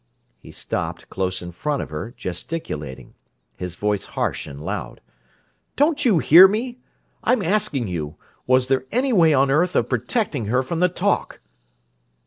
He stopped, close in front of her, gesticulating, his voice harsh and loud: "Don't you hear me? I'm asking you: Was there any other way on earth of protecting her from the talk?"